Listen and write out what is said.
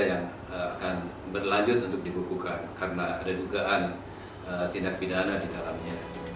yang akan berlanjut untuk dibekukan karena ada dugaan tindak pidana di dalamnya